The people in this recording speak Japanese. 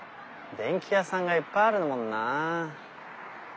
電気屋さんがいっぱいあるもんな。